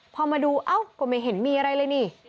พอมาดูเอ้าก็ไม่เห็นมีอะไรเลยนี่